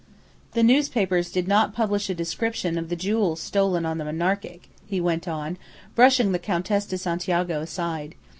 "The newspapers did not publish a description of the jewels stolen on the Monarchic," he went on, brushing the Countess de Santiago aside.